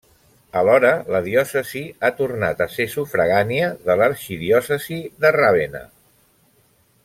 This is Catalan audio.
Alhora, la diòcesi ha tornat a ser sufragània de l'arxidiòcesi de Ravenna.